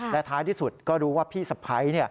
และท้ายที่สุดก็รู้ว่าพี่สะพ้าย